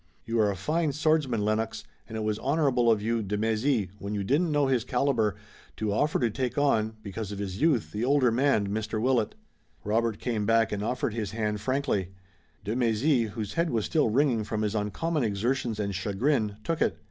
You are a fine swordsman, Lennox, and it was honorable of you, de Mézy, when you didn't know his caliber, to offer to take on, because of his youth, the older man, Mr. Willet." Robert came back and offered his hand frankly. De Mézy, whose head was still ringing from his uncommon exertions and chagrin, took it.